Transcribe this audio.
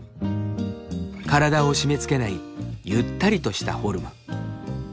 体を締めつけないゆったりとしたフォルム。